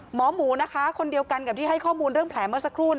หมอหมูนะคะคนเดียวกันกับที่ให้ข้อมูลเรื่องแผลเมื่อสักครู่